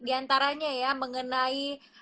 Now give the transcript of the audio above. di antaranya ya mengenai